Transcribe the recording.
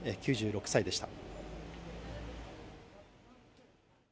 ９６歳でした。